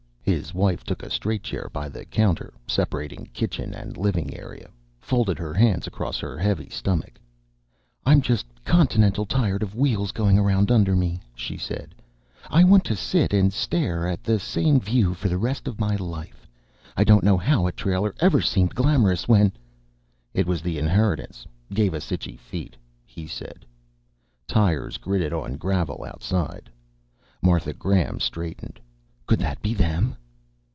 His wife took a straight chair by the counter separating kitchen and living area, folded her hands across her heavy stomach. "I'm just continental tired of wheels going around under me," she said. "I want to sit and stare at the same view for the rest of my life. I don't know how a trailer ever seemed glamorous when " "It was the inheritance gave us itchy feet," he said. Tires gritted on gravel outside. Martha Graham straightened. "Could that be them?"